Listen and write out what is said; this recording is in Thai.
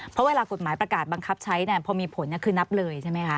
เพราะเวลากฎหมายประกาศบังคับใช้พอมีผลคือนับเลยใช่ไหมคะ